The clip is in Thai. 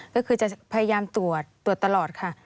ก็คือจะพยายามตรวจตรวจตลอดค่ะ